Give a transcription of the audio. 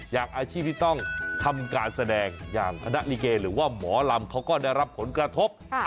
อย่างอาชีพที่ต้องทำการแสดงอย่างคณะลิเกหรือว่าหมอลำเขาก็ได้รับผลกระทบ